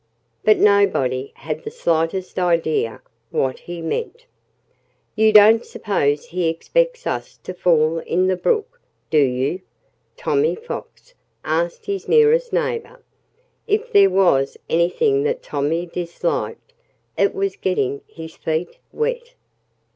But nobody had the slightest idea what he meant. "You don't suppose he expects us to fall in the brook, do you?" Tommy Fox asked his nearest neighbor. If there was anything that Tommy disliked, it was getting his feet wet.